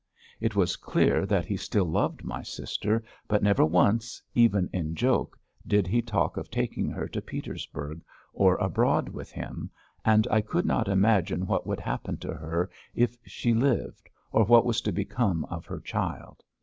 It was clear that he still loved my sister, but never once, even in joke, did he talk of taking her to Petersburg or abroad with him, and I could not imagine what would happen to her if she lived, or what was to become of her child.